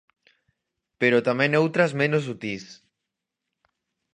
Pero tamén outras menos sutís.